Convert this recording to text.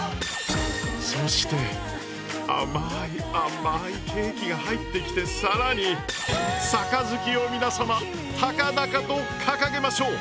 そして甘い甘いケーキが入ってきてさらに杯を皆様高々と掲げましょう！